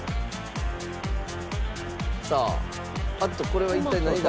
さああっとこれは一体なんだ？